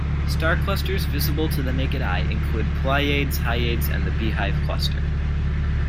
Star clusters visible to the naked eye include Pleiades, Hyades and the Beehive Cluster.